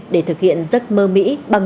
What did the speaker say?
để thực hiện giấc mơ mỹ bằng